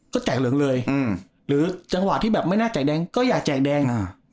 ก็แจกเหลืองเลยอืมหรือจังหวะที่แบบไม่น่าแจกแดงก็อยากแจกแดงอ่า